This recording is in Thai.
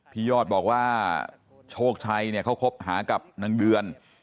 ยอดบอกว่าโชคชัยเนี่ยเขาคบหากับนางเดือน